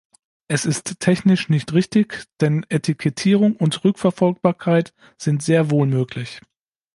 Es ist technisch nicht richtig, denn Etikettierung und Rückverfolgbarkeit sind sehr wohl möglich.